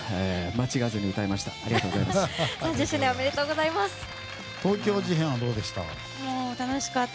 間違わずに歌えました。